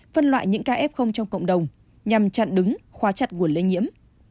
phân loại những ca f trong cộng đồng nhằm chặn đứng khóa chặt nguồn lây nhiễm